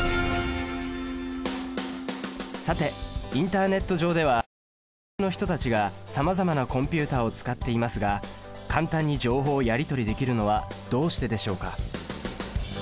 さてインターネット上では世界中の人たちがさまざまなコンピュータを使っていますが簡単に情報をやり取りできるのはどうしてでしょうか？